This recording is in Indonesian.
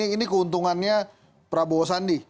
ini keuntungannya prabowo sandi